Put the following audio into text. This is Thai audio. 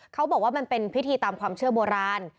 เขาบอกว่ามันเป็นพิธีตามความเชื่อโบราณ